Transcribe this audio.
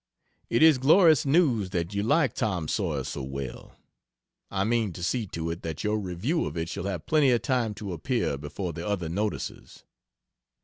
It is glorious news that you like Tom Sawyer so well. I mean to see to it that your review of it shall have plenty of time to appear before the other notices.